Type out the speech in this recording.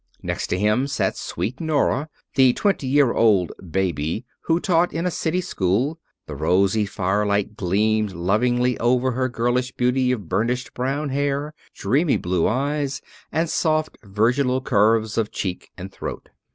Next to him sat sweet Nora, the twenty year old "baby," who taught in a city school; the rosy firelight gleamed lovingly over her girlish beauty of burnished brown hair, dreamy blue eyes, and soft, virginal curves of cheek and throat.